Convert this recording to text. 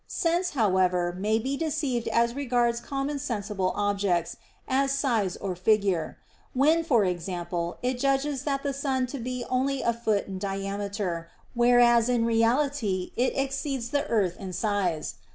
Sense, however, may be deceived as regards common sensible objects, as size or figure; when, for example, it judges the sun to be only a foot in diameter, whereas in reality it exceeds the earth in size.